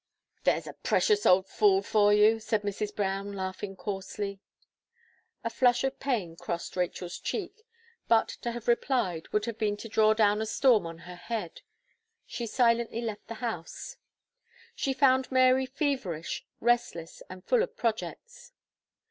"There's a precious old fool for you!" said Mrs. Brown laughing coarsely. A flush of pain crossed Rachel's cheek, but to have replied, would have been to draw down a storm on her head; she silently left the house. She found Mary feverish, restless, and full of projects.